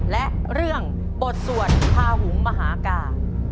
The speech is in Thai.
และเรื่องบทสวดพาหุงมหากา